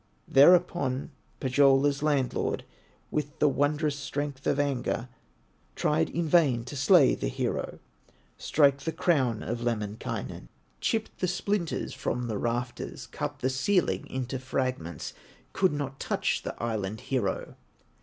Thereupon Pohyola's landlord With the wondrous strength of anger, Tried in vain to slay the hero, Strike the crown of Lemminkainen; Chipped the splinters from the rafters, Cut the ceiling into fragments, Could not touch the Island hero.